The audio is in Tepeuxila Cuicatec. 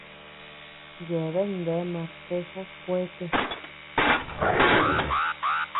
Yeabean bea marceja kuete.